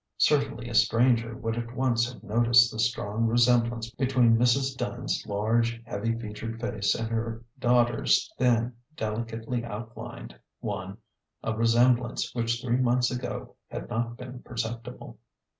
Certainly a stranger would at once have noticed the strong resemblance between Mrs. Dunn's large, heavy featured face and her daughter's thin, delicately outlined one a resem blance which three months ago had not been perceptible.